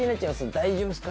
大丈夫ですか？